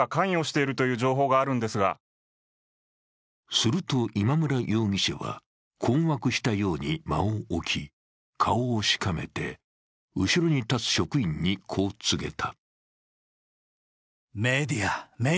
すると今村容疑者は困惑したように間を置き、顔をしかめて、後ろに立つ職員にこう告げた。